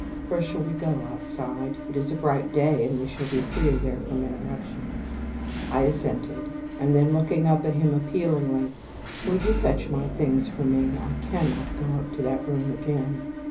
"Where shall we go? Outside? It is a bright day, and we shall be freer there from interruption." I assented; and then looking up at him appealingly, "Will you fetch my things for me? I CANNOT go up to that room again."